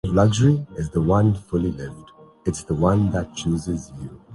اسی لیے شریفوں کی کچھ نہیں چل رہی۔